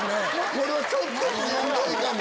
これはちょっとしんどいかも。